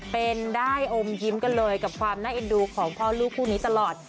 เป็นได้อมยิ้มกันเลยกับความน่าเอ็นดูของพ่อลูกคู่นี้ตลอด